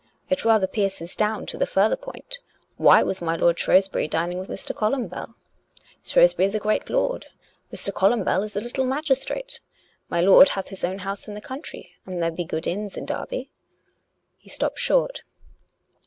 It rather pierces down to the further point, Why was my lord Shrewsbury dining with Mr. Columbell? Shrewsbury is a great lord ; Mr. Columbell is a little magis trate. My lord hath his own house in the country, and there be good inns in Derby." He stopped short.